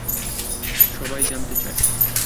সবাই জানতে চায়।